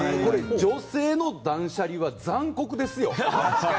女性の断捨離は残酷ですよ。